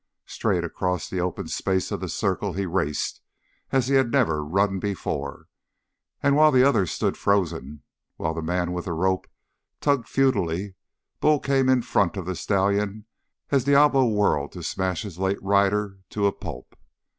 Straight across the open space of the circle he raced as he had never run before, and while the others stood frozen, while the man with the rope tugged futilely, Bull came in front of the stallion as Diablo whirled to smash his late rider to a pulp.